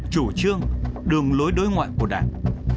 chủ trương đường lối đối ngoại của đảng